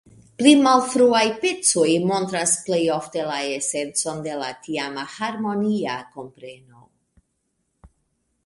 Pli malfruaj pecoj montras plej ofte la esencon de la tiama harmonia kompreno.